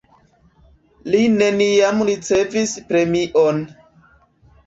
Li neniam ricevis premion.